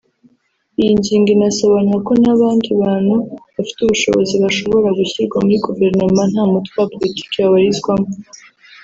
Iyi ngingo inasobanura ko n’abandi bantu bafite ubushobozi bashobora gushyirwa muri Guverinoma nta mutwe wa politiki babarizwamo